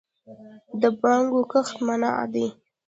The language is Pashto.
د بنګو کښت منع دی